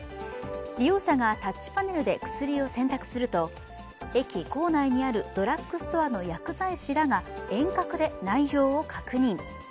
利用者がタッチパネルで薬を選択すると駅構内にあるドラッグストアの薬剤師らが遠隔で内容を確認。